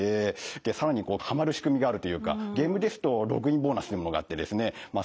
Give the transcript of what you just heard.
更にはまる仕組みがあるというかゲームですとログインボーナスっていうものがあってですね